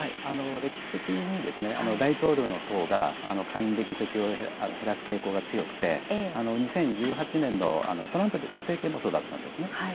歴史的に大統領の党が下院で議席を減らす傾向が強くて、２０１８年のトランプ政権もそうだったんです。